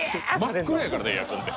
真っ黒やからねエアコンって。